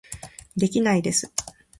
できないです